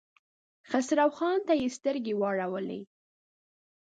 خسرو خان ته يې سترګې ور واړولې.